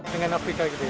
dengan afrika gitu ya